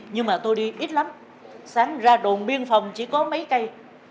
nhưng mà tôi đi ít lắm sáng ra đồn biên phòng chỉ có mấy cây